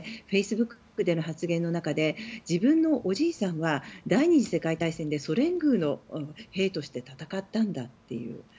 フェイスブックの発言の中で自分のおじいさんは第２次世界大戦でソ連軍の兵として戦ったんだという。